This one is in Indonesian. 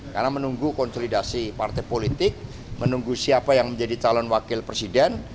karena menunggu konsolidasi partai politik menunggu siapa yang menjadi calon wakil presiden